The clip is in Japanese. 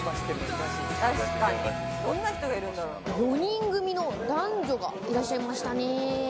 ５人組の男女がいらっしゃいましたね。